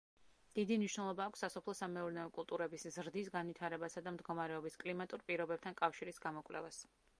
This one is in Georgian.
დიდი მნიშვნელობა აქვს სასოფლო-სამეურნეო კულტურების ზრდის განვითარებასა და მდგომარეობის კლიმატურ პირობებთან კავშირის გამოკვლევას.